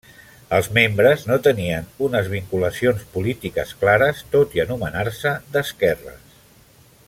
Els membres no tenien unes vinculacions polítiques clares, tot i anomenar-se d'esquerres.